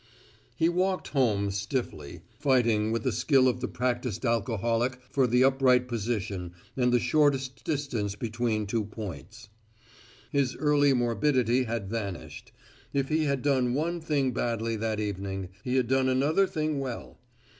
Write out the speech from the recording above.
He walked home stiffly, fighting with the skill of the practiced alcoholic for the upright position and the shortest distance between two points. His early morbidity had vanished. If he had done one thing badly that evening, he had done another thing well.